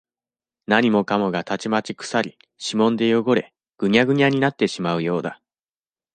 何もかもがたちまち腐り、指紋でよごれ、ぐにゃぐにゃになってしまうようだ。